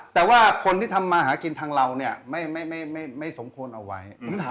แต่ว่าคนที่ทำมาหากินทางเราเนี่ยไม่สมควรเอาไว้